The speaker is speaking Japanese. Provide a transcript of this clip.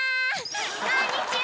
こんにちは！